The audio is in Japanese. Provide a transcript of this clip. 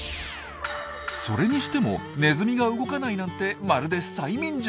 それにしてもネズミが動かないなんてまるで催眠術。